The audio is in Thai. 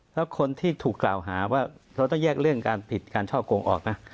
แล้วคนที่ถูกกล่าวหาว่าเราต้องแยกเรื่องการผิดการช่อโกงออกนะ